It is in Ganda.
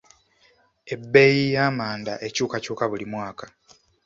Ebbeeyi y'amanda ekyukakyuka buli mwaka.